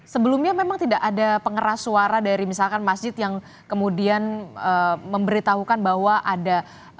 sebelumnya memang tidak ada pengeras suara dari misalkan masjid yang kemudian memberitahukan bahwa ada